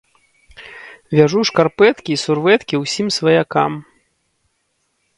Вяжу шкарпэткі і сурвэткі ўсім сваякам.